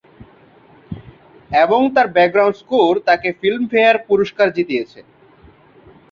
এবং তার background score তাকে ফিল্মফেয়ার পুরস্কার জিতেয়েছে।